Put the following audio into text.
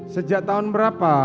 sejak tahun berapa